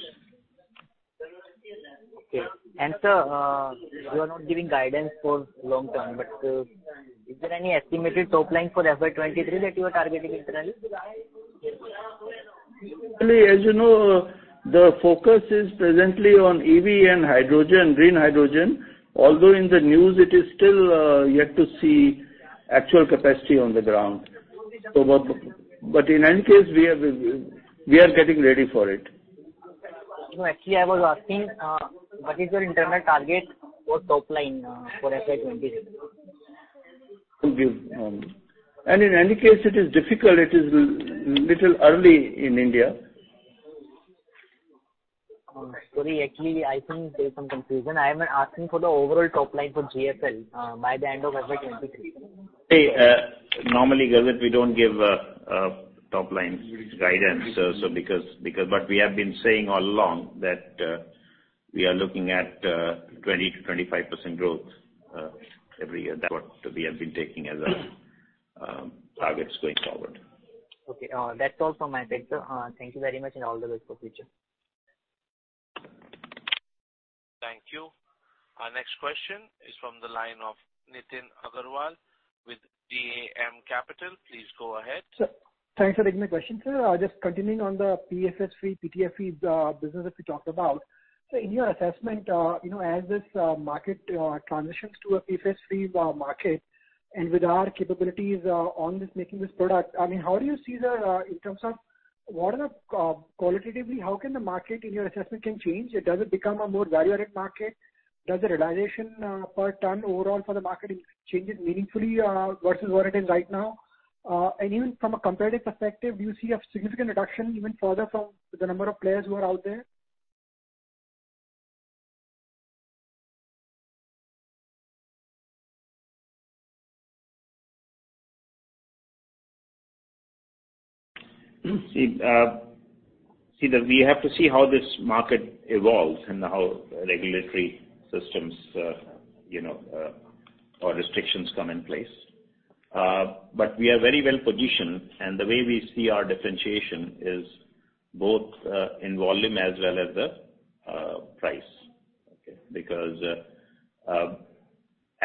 Okay. Sir, you are not giving guidance for long term, but is there any estimated top line for FY23 that you are targeting internally? As you know, the focus is presently on EV and hydrogen, green hydrogen, although in the news it is still yet to see actual capacity on the ground. But in any case, we are getting ready for it. No, actually, I was asking, what is your internal target for top line, for FY23? In any case, it is difficult. It is little early in India. Sorry. Actually, I think there's some confusion. I am asking for the overall top line for GFL by the end of FY23. Hey, normally, Garvit, we don't give top line guidance. Because what we have been saying all along that we are looking at 20%-25% growth every year. That what we have been taking as a targets going forward. Okay. That's all from my side, sir. Thank you very much and all the best for future. Thank you. Our next question is from the line of Nitin Agarwal with DAM Capital. Please go ahead. Sir, thanks for taking my question, sir. Just continuing on the PFAS free, PTFE, business that we talked about. In your assessment, you know, as this market transitions to a PFAS free market and with our capabilities on this making this product, I mean, how do you see the, in terms of Qualitatively, how can the market in your assessment can change? Does it become a more value-added market? Does the realization, per ton overall for the market changes meaningfully, versus where it is right now? Even from a competitive perspective, do you see a significant reduction even further from the number of players who are out there? See, see that we have to see how this market evolves and how regulatory systems, you know, or restrictions come in place. We are very well positioned, and the way we see our differentiation is both, in volume as well as the price. Okay. Because,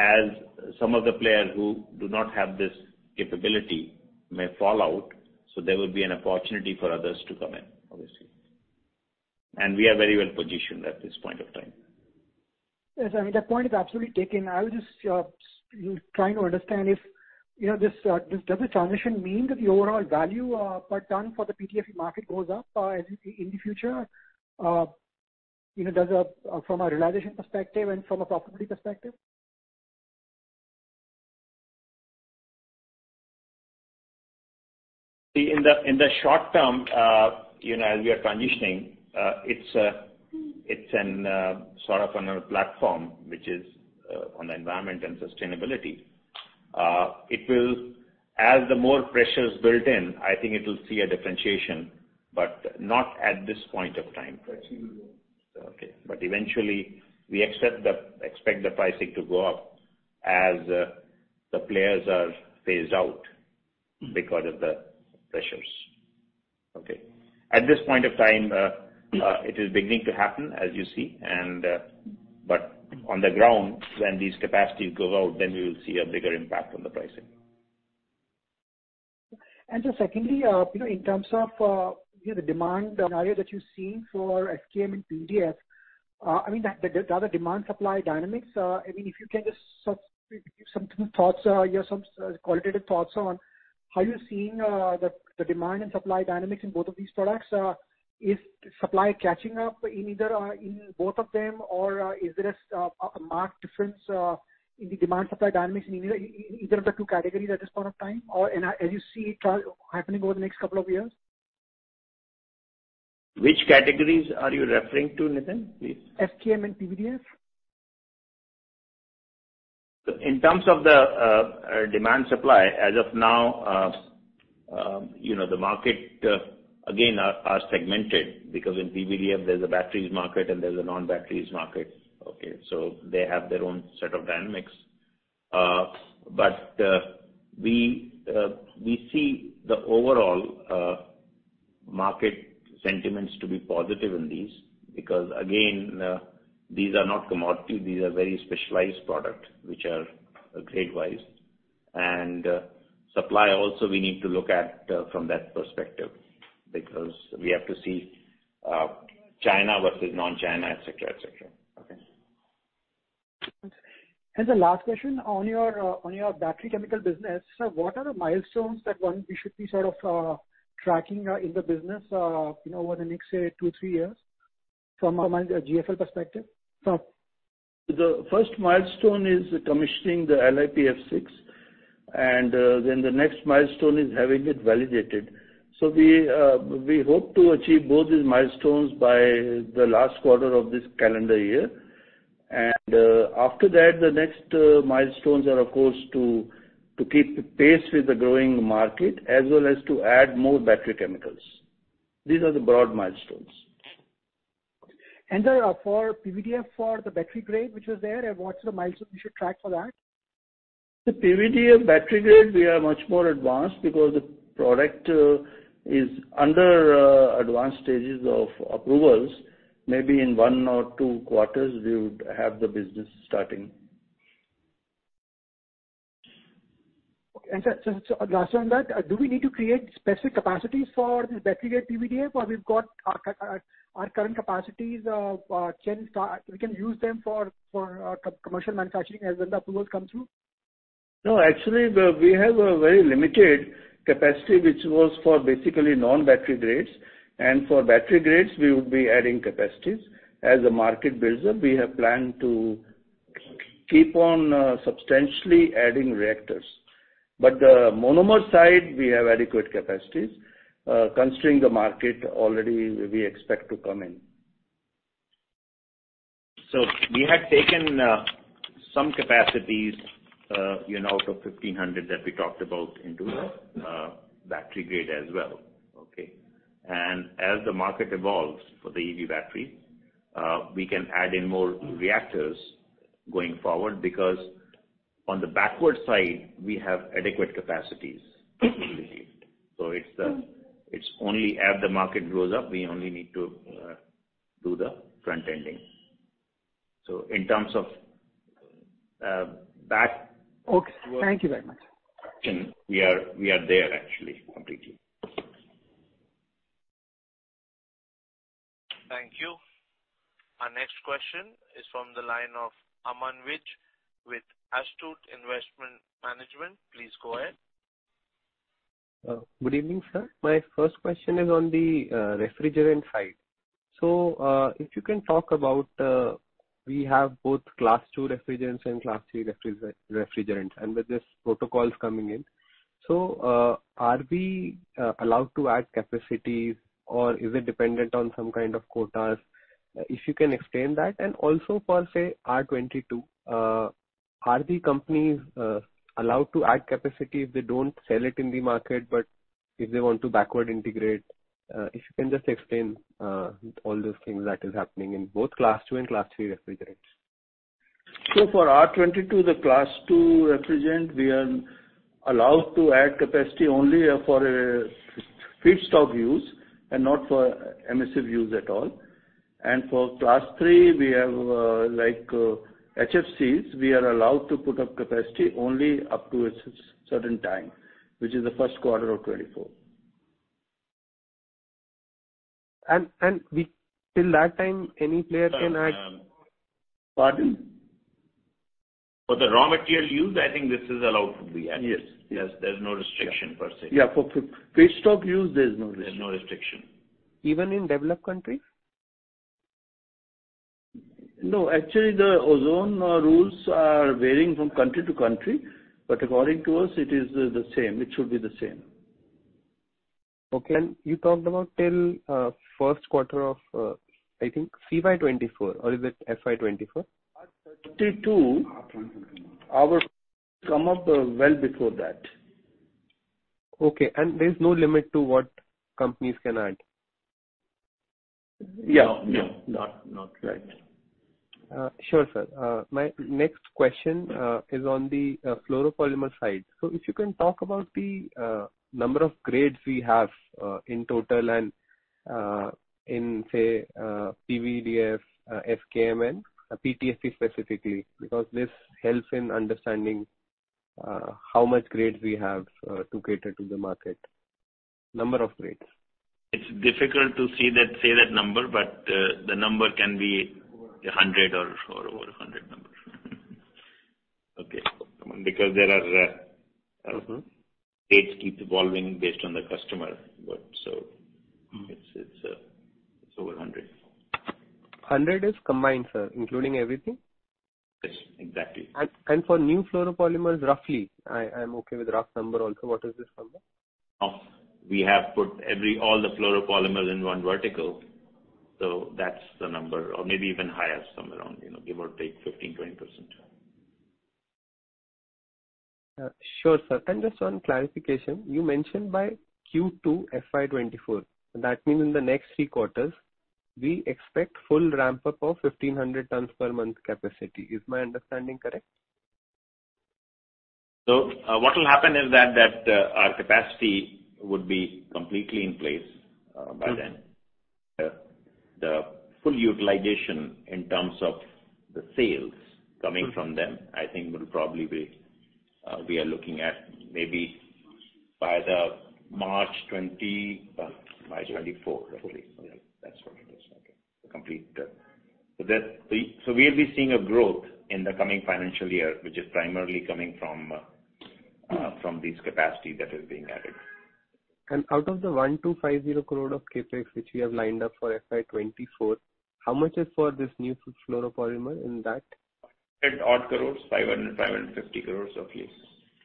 as some of the players who do not have this capability may fall out, so there will be an opportunity for others to come in, obviously. We are very well positioned at this point of time. Yes, I mean, that point is absolutely taken. I was just trying to understand if, you know, this, does the transition mean that the overall value per ton for the PTFE market goes up in the future? You know, does it from a realization perspective and from a profitability perspective? In the short term, you know, as we are transitioning, it's an sort of on a platform which is on the environment and sustainability. It will as the more pressures built in, I think it will see a differentiation, but not at this point of time. That's reasonable. Eventually we expect the pricing to go up as the players are phased out because of the pressures. At this point of time, it is beginning to happen as you see and, but on the ground, when these capacities go out, then we will see a bigger impact on the pricing. Just secondly, you know, in terms of, you know, the demand scenario that you're seeing for FKM and PVDF, I mean, the other demand supply dynamics. I mean, if you can just sort of give some thoughts, you know, some qualitative thoughts on how you're seeing, the demand and supply dynamics in both of these products. Is supply catching up in either or in both of them, or, is there a marked difference, in the demand supply dynamics in either, in either of the two categories at this point of time, or in, as you see it happening over the next couple of years? Which categories are you referring to, Nitin, please? FKM and PVDF. In terms of the, demand supply as of now, you know, the market, again, are segmented because in PVDF there's a batteries market and there's a non-batteries market. Okay. They have their own set of dynamics. We see the overall, market sentiments to be positive in these because again, these are not commodity. These are very specialized product which are grade-wise. Supply also we need to look at, from that perspective because we have to see, China versus non-China, et cetera, et cetera. Okay. The last question on your on your battery chemical business, sir, what are the milestones that one we should be sort of tracking in the business, you know, over the next, say, two, three years from a GFL perspective? The first milestone is commissioning the LiPF6, and then the next milestone is having it validated. We hope to achieve both these milestones by the last quarter of this calendar year. After that, the next milestones are of course to keep pace with the growing market as well as to add more battery chemicals. These are the broad milestones. Sir, for PVDF for the battery grade which was there and what's the milestone we should track for that? The PVDF battery grade, we are much more advanced because the product is under advanced stages of approvals. Maybe in one or two quarters we would have the business starting. Okay. Sir, lastly on that, do we need to create specific capacities for this battery grade PVDF or we've got our current capacities of Gen start, we can use them for commercial manufacturing as well the approvals come through? No, actually we have a very limited capacity, which was for basically non-battery grades. For battery grades we would be adding capacities. As the market builds up, we have planned to keep on substantially adding reactors. The monomer side we have adequate capacities, considering the market already we expect to come in. We had taken, some capacities, you know, out of 1,500 that we talked about into the battery grade as well. Okay. As the market evolves for the EV battery, we can add in more reactors going forward because on the backward side we have adequate capacities. It's, it's only as the market grows up, we only need to do the front-ending. Okay. Thank you very much. We are there actually completely. Thank you. Our next question is from the line of Aman Vij with Astute Investment Management. Please go ahead. Good evening, sir. My first question is on the refrigerant side. If you can talk about, we have both class two refrigerants and class three refrigerants, and with this protocols coming in. Are we allowed to add capacity or is it dependent on some kind of quotas? If you can explain that. Also for, say, R22, are the companies allowed to add capacity if they don't sell it in the market, but if they want to backward integrate? If you can just explain all those things that is happening in both class two and class three refrigerants. For R22, the class two refrigerant, we are allowed to add capacity only for a feedstock use and not for MSF use at all. For class three we have HFCs, we are allowed to put up capacity only up to a certain time, which is the first quarter of 2024. We till that time any player can add. Pardon? For the raw material use, I think this is allowed to be added. Yes. Yes. There's no restriction per se. Yeah. For feedstock use, there is no restriction. There's no restriction. Even in developed countries? No, actually the ozone rules are varying from country to country, but according to us it is the same. It should be the same. Okay. you talked about till, first quarter of, I think CY 2024, or is it FY 2024? By 32, come up, well before that. Okay. There is no limit to what companies can add? Yeah. No. No. Not really. Sure, sir. My next question is on the fluoropolymer side. If you can talk about the number of grades we have in total and in, say, PVDF, FKM and PTFE specifically. Because this helps in understanding how much grades we have to cater to the market. Number of grades. It's difficult to see that, say that number, but the number can be 100 or over 100 numbers. Okay. Because there are, grades keep evolving based on the customer, but so it's over 100. 100 is combined, sir, including everything? Yes, exactly. For new fluoropolymers, roughly, I'm okay with rough number also. What is this number? We have put all the fluoropolymers in one vertical, that's the number. Maybe even higher, some around, you know, give or take 15%-20%. Sure, sir. Just one clarification. You mentioned by Q2 FY24. That means in the next three quarters we expect full ramp up of 1,500 tons per month capacity. Is my understanding correct? What will happen is that our capacity would be completely in place by then. The full utilization in terms of the sales coming from them, I think would probably be, we are looking at maybe by March 2024 roughly. Yeah, that's what it is. Okay. Complete. We'll be seeing a growth in the coming financial year, which is primarily coming from this capacity that is being added. Out of the 1,250 crore of CapEx which you have lined up for FY24, how much is for this new fluoropolymer in that? INR 100 odd crores, 500 crores, 550 crores at least.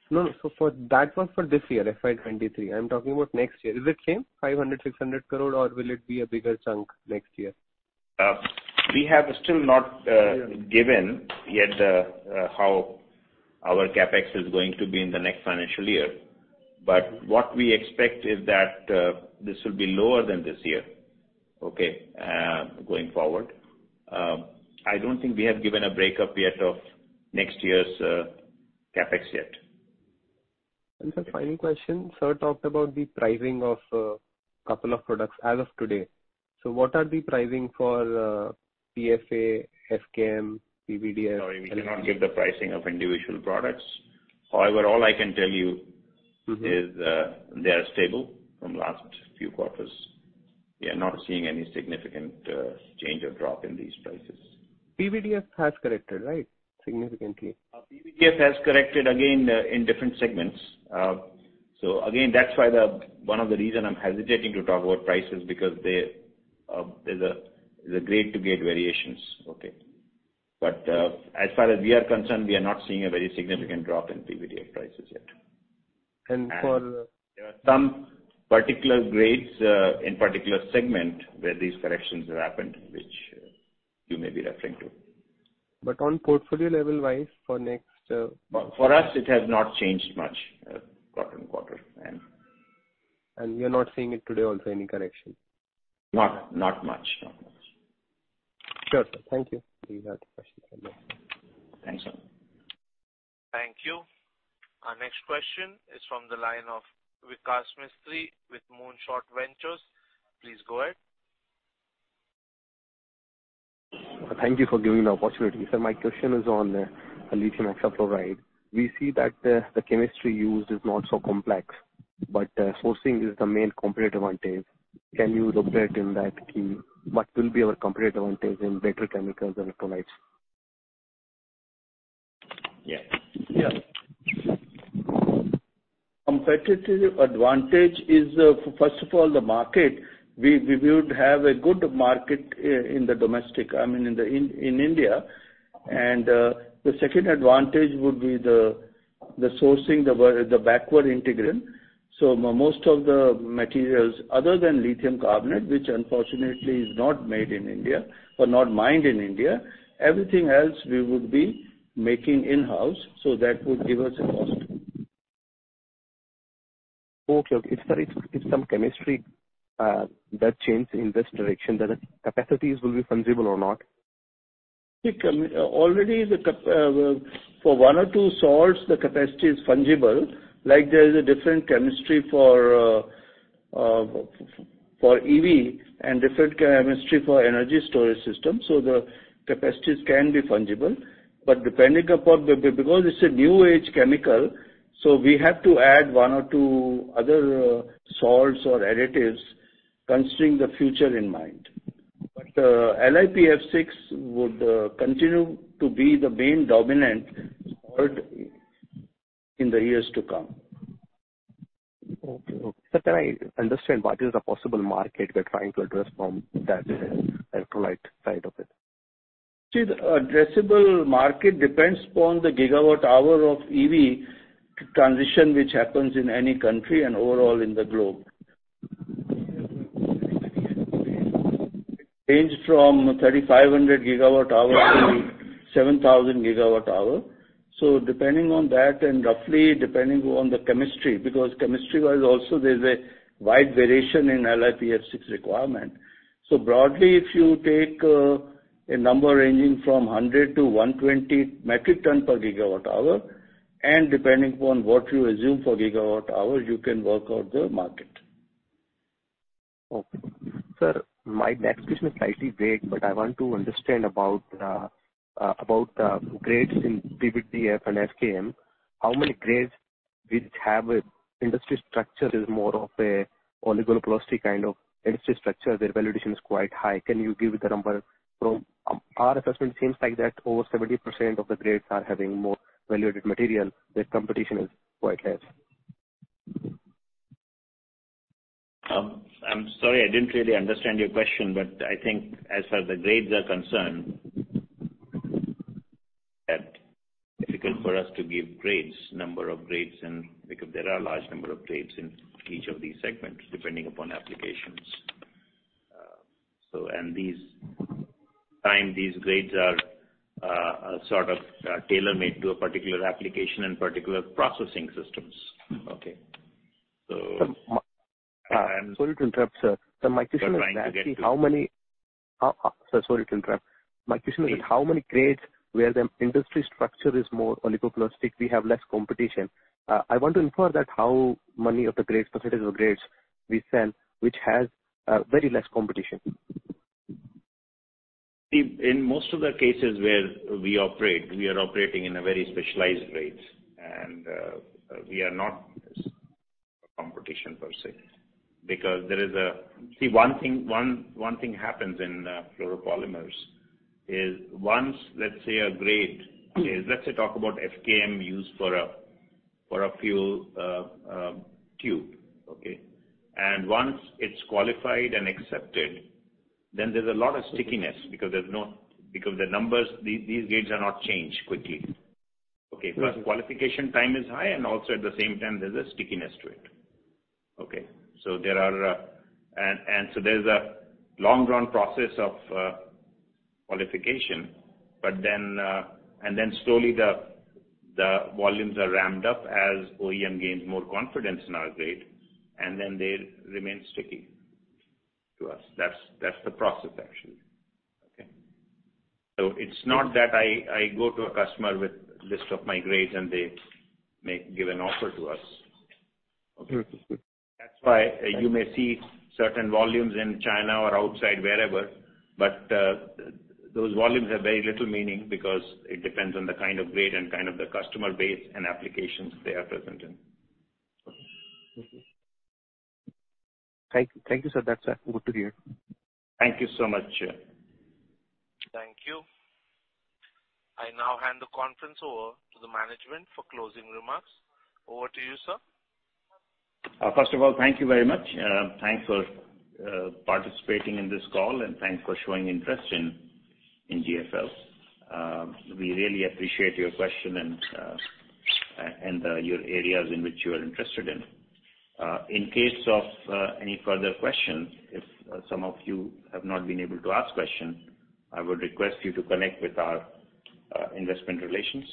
No, no. For, that was for this year, FY23. I'm talking about next year. Is it same, 500 crore-600 crore, or will it be a bigger chunk next year? We have still not given yet how our CapEx is going to be in the next financial year. What we expect is that this will be lower than this year, okay, going forward. I don't think we have given a break up yet of next year's CapEx yet. Sir, final question. Sir talked about the pricing of, couple of products as of today. What are the pricing for, PFA, FKM, PVDF... Sorry, we cannot give the pricing of individual products. All I can tell you is, they are stable from last few quarters. We are not seeing any significant change or drop in these prices. PVDF has corrected, right? Significantly. PVDF has corrected again, in different segments. Again, that's why the, one of the reason I'm hesitating to talk about prices because they, there's a grade-to-grade variations. Okay. As far as we are concerned, we are not seeing a very significant drop in PVDF prices yet. And for- There are some particular grades, in particular segment where these corrections happened, which you may be referring to. On portfolio level-wise for next. For us, it has not changed much, quarter-on-quarter. You're not seeing it today also, any correction? Not much. Not much. Sure, sir. Thank you. These are the questions from my side. Thanks. Thank you. Our next question is from the line of Vikas Mistry with Moonshot Ventures. Please go ahead. Thank you for giving the opportunity. Sir, my question is onlithium hexafluorophosphate. We see that the chemistry used is not so complex, but sourcing is the main competitive advantage. Can you elaborate in that key what will be our competitive advantage in battery electrolytes Yeah. Yeah. Competitive advantage is, first of all the market. We would have a good market in the domestic, I mean in the, in India. The second advantage would be the sourcing, the backward integration. Most of the materials other than lithium carbonate, which unfortunately is not made in India, but not mined in India, everything else we would be making in-house, so that would give us a cost. Okay. If there is some chemistry, that changes in this direction, then the capacities will be fungible or not? Already the cap for 1 or 2 salts the capacity is fungible. There is a different chemistry for for EV and different chemistry for energy storage system, so the capacities can be fungible. Depending upon Because it's a new age chemical, so we have to add 1 or 2 other salts or additives considering the future in mind. LiPF6 would continue to be the main dominant salt in the years to come. Okay. Sir, can I understand what is the possible market we're trying to address from that electrolyte side of it? The addressable market depends upon the gigawatt hour of EV transition which happens in any country and overall in the globe. Range from 3,500 gigawatt hour to 7,000 gigawatt hour. Depending on that and roughly depending on the chemistry, because chemistry-wise also there's a wide variation in LiPF6 requirement. Broadly, if you take a number ranging from 100 to 120 metric ton per gigawatt hour, and depending upon what you assume for gigawatt hour, you can work out the market. Okay. Sir, my next question is slightly vague, but I want to understand about the grades in PVDF and FKM. How many grades which have industry structure is more of a oligopolistic kind of industry structure, their validation is quite high. Can you give the number from... Our assessment seems like that over 70% of the grades are having more value-added material, their competition is quite less. I'm sorry, I didn't really understand your question. I think as far as the grades are concerned, that difficult for us to give grades, number of grades and. There are large number of grades in each of these segments, depending upon applications. These grades are, sort of, tailor-made to a particular application and particular processing systems. Okay. So- Sir, Sorry to interrupt, sir. My question is actually. You're trying to get to. Sir, sorry to interrupt. My question is how many grades where the industry structure is more oligopolistic, we have less competition. I want to infer that how money of the grades, percentages of grades we sell, which has, very less competition. In most of the cases where we operate, we are operating in a very specialized grades. We are not competition per se. Because there is a. See, one thing happens in fluoropolymers is once, let's say, a grade is. Let's talk about FKM used for a fuel tube, okay? Once it's qualified and accepted, then there's a lot of stickiness because there's no. Because the numbers. These grades are not changed quickly. Plus qualification time is high, and also at the same time there's a stickiness to it. Okay? There are. And so there's a long run process of qualification. Then slowly the volumes are ramped up as OEM gains more confidence in our grade, and then they remain sticky to us. That's the process actually. Okay? It's not that I go to a customer with list of my grades and they give an offer to us. Okay? Mm-hmm. That's why you may see certain volumes in China or outside, wherever, but those volumes have very little meaning because it depends on the kind of grade and kind of the customer base and applications they are present in. Okay. Thank you, sir. That's good to hear. Thank you so much. Thank you. I now hand the conference over to the management for closing remarks. Over to you, sir. First of all, thank you very much. Thanks for participating in this call, and thanks for showing interest in GFL. We really appreciate your question and your areas in which you are interested in. In case of any further questions, if some of you have not been able to ask questions, I would request you to connect with our Investor Relations,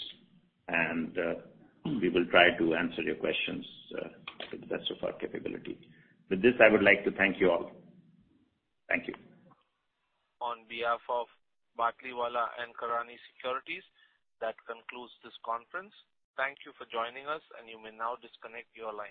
and we will try to answer your questions to the best of our capability. With this, I would like to thank you all. Thank you. On behalf of Batlivala & Karani Securities, that concludes this conference. Thank you for joining us, and you may now disconnect your lines.